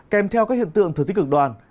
kèm theo các hiện tượng thực tích cực đoan